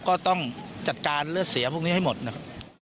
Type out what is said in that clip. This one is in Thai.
ก็ต้องจัดการเลือดเสียพวกนี้ให้หมดนะครับ